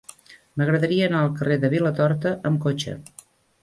M'agradaria anar al carrer de Vilatorta amb cotxe.